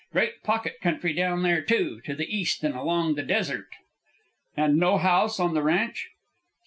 Great pocket country down there, to the east and along the desert." "And no house on the ranch?"